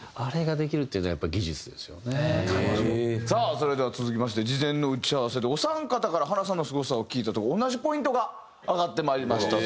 さあそれでは続きまして事前の打ち合わせでお三方から原さんのすごさを聞いたところ同じポイントが挙がってまいりました。